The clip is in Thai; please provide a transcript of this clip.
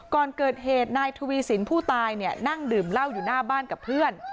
ก่อนเกิดเหตุนายทวีสินผู้ตายเนี่ยนั่งดื่มเหล้าอยู่หน้าบ้านกับเพื่อน